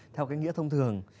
theo cái nghĩa thông thường